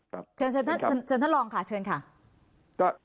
เชิญท่านท่านลองค่ะเชิญค่ะ